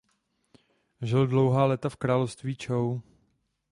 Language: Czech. Žil dlouhá léta v království Čou.